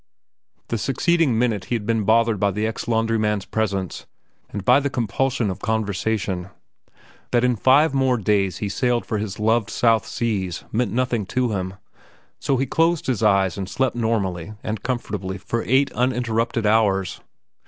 The succeeding minute he had been bothered by the ex laundryman's presence and by the compulsion of conversation. That in five more days he sailed for his loved South Seas meant nothing to him. So he closed his eyes and slept normally and comfortably for eight uninterrupted hours.